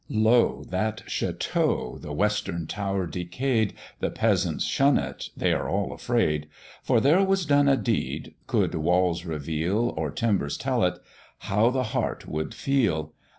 Lo! that chateau, the western tower decay'd, The peasants shun it, they are all afraid; For there was done a deed! could walls reveal, Or timbers tell it, how the heart would feel!